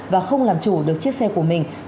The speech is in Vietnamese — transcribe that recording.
và không làm chủ được chiếc xe của mình